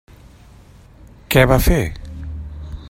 Què va fer?